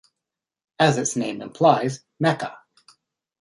As its name implies, Mecha!